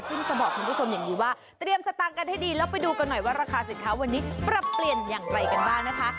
ซึ่งจะบอกคุณผู้ชมอย่างนี้ว่าเตรียมสตางค์กันให้ดีแล้วไปดูกันหน่อยว่าราคาสินค้าวันนี้ปรับเปลี่ยนอย่างไรกันบ้างนะคะ